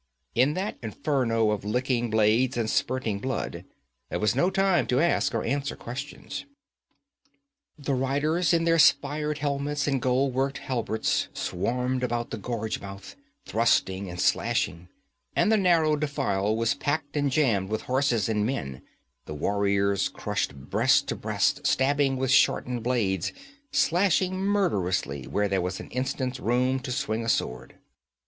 In that inferno of licking blades and spurting blood there was no time to ask or answer questions. The riders in their spired helmets and gold worked hauberks swarmed about the gorge mouth, thrusting and slashing, and the narrow defile was packed and jammed with horses and men, the warriors crushed breast to breast, stabbing with shortened blades, slashing murderously when there was an instant's room to swing a sword.